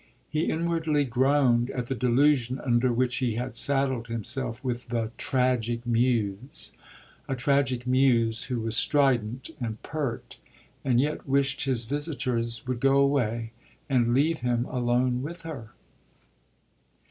He inwardly groaned at the delusion under which he had saddled himself with the Tragic Muse a tragic muse who was strident and pert and yet wished his visitors would go away and leave him alone with her.